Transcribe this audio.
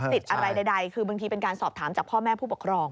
ติดอะไรใดคือบางทีเป็นการสอบถามจากพ่อแม่ผู้ปกครอง